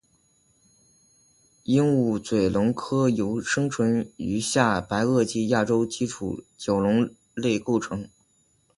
鹦鹉嘴龙科由生存于下白垩纪亚洲的基础角龙类构成。